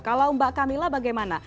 kalau mbak kamila bagaimana